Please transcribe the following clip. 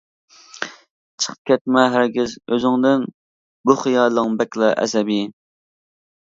چىقىپ كەتمە ھەرگىز ئۆزۈڭدىن، بۇ خىيالىڭ بەكلا ئەسەبىي.